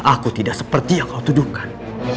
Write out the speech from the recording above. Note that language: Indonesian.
aku tidak seperti yang kau tuduhkan